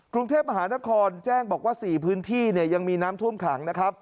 กรุงเทพมหานครแจ้งบอกว่า๔พื้นที่เนี่ยยังมีน้ำท่วมขังนะครับ